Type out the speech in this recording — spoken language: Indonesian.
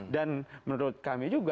dan menurut kami juga